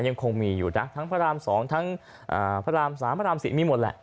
ยังคงมีอยู่นะทั้งพระราม๒ทั้งพระราม๓พระราม๔มีหมดแหละ